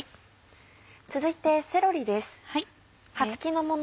続いてセロリです。